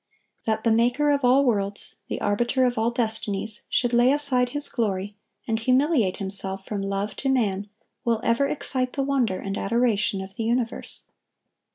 That the Maker of all worlds, the Arbiter of all destinies, should lay aside His glory, and humiliate Himself from love to man, will ever excite the wonder and adoration of the universe.